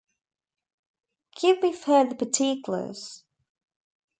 Give me further particulars.